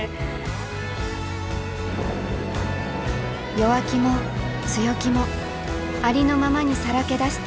弱気も強気もありのままにさらけ出して。